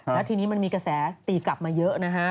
แล้วทีนี้มันมีกระแสตีกลับมาเยอะนะฮะ